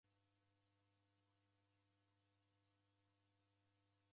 Na ni kisaya nandighi.